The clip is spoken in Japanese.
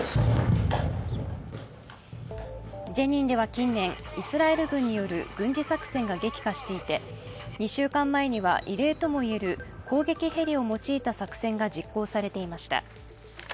ジェニンでは近年、イスラエル軍による軍事作戦が激化していて、２週間前には、異例ともいえる攻撃ヘリを用いた作戦が実行されていました。